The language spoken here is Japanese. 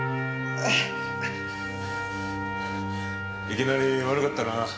いきなり悪かったな。